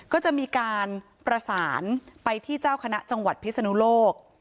ก็จะมีการประสานไปที่เจ้าคณะจังหวัดพิศนุโลก